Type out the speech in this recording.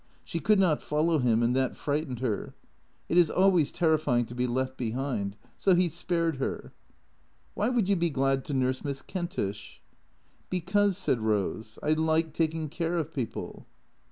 She could not follow him, and that frightened her. It is always terrifying to be left behind. So he spared her. " Why would you be glad to nurse Miss Kentish ?"" Because," said Rose, " I like taking care of people."